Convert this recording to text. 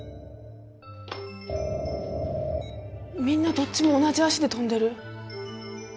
みんなどっちも同じ足で跳んでる。